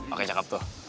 oke cakep tuh